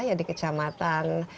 ya di kecamatan